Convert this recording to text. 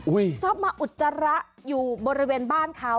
ชอบมาอุจจาระอยู่บริเวณบ้านเขา